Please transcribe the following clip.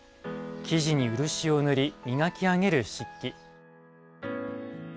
木地に漆を塗り磨き上げる漆器。